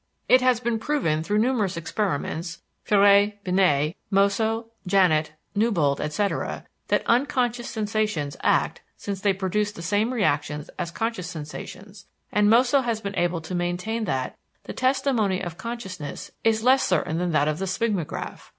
It has been proven through numerous experiments (Féré, Binet, Mosso, Janet, Newbold, etc.) that "unconscious sensations" act, since they produce the same reactions as conscious sensations, and Mosso has been able to maintain that "the testimony of consciousness is less certain than that of the sphygmograph."